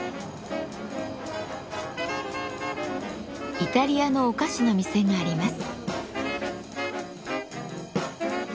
イタリアのお菓子の店があります。